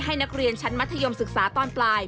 นักเรียนชั้นมัธยมศึกษาตอนปลาย